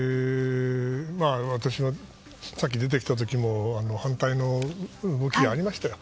私がさっき出てきた時も反対の動きがありましたよ。